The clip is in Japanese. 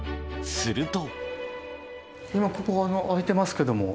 すると。